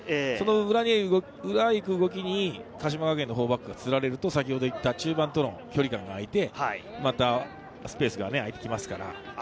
裏に行く動きに鹿島学園の４バックがつられると、中盤との距離感があいて、スペースが生まれてきますから。